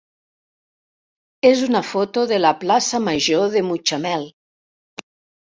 és una foto de la plaça major de Mutxamel.